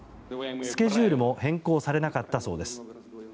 スケジュールも変更されなかったそうです。